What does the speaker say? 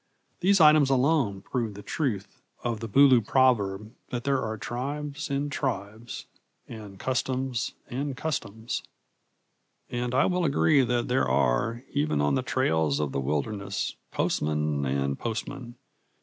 These items alone prove the truth of the Bulu proverb that there are tribes and tribes, and customs and customs. And I will agree that there are, even on the trails of the wilderness, postmen and postmen.